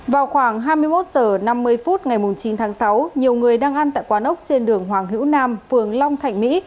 vào khoảng hai mươi một h năm mươi phút ngày chín tháng sáu nhiều người đang ăn tại quán ốc trên đường hoàng hữu nam phường long thạnh mỹ